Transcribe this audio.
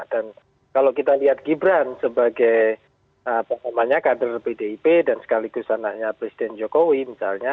dan kalau kita lihat gibran sebagai pokoknya kader bdip dan sekaligus anaknya presiden jokowi misalnya